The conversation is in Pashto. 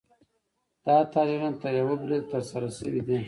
دا تحلیلونه تر یوه بریده ترسره شوي دي.